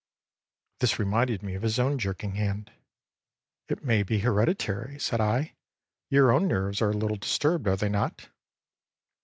â This reminded me of his own jerking hand. âIt may be hereditary,â said I, âyour own nerves are a little disturbed, are they not?